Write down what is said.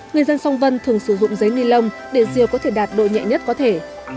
người dân song vân thường sử dụng giấy nilon để rìu có thể đạt độ nhẹ nhất có thể